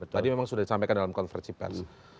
tadi memang sudah disampaikan dalam konversi pers